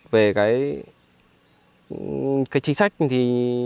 về cái chính sách thì